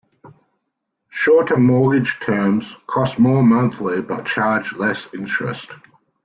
Shorter mortgage terms cost more monthly but charge less interest.